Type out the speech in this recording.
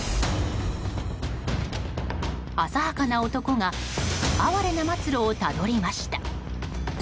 浅はかな男が哀れな末路をたどりました。